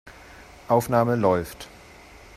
Aufnahme läuft.